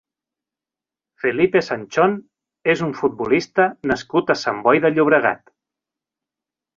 Felipe Sanchón és un futbolista nascut a Sant Boi de Llobregat.